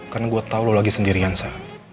karena gue tau lo lagi sendirian sa